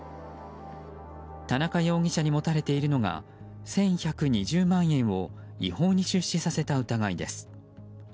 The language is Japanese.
田中容疑者に持たれているのが１１２０万円を違法に出資させた疑いです。